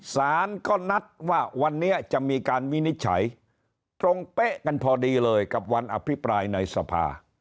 สารก็นัดว่าวันนี้จะมีการวินิจฉัยตรงเป๊ะกันพอดีเลยกับวันอภิปรายในสภา